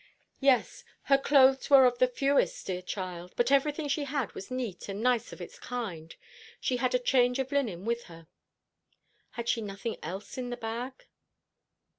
"Yes. Her clothes were of the fewest, dear child; but everything she had was neat and nice of its kind. She had a change of linen with her." "Had she nothing else in the bag?"